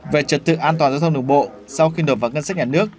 về trật tự an toàn giao thông đường bộ sau khi nộp vào ngân sách nhà nước